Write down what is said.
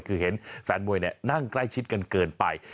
คือเห็นแฟนมวยนั่งใกล้ชิดกันเกินไป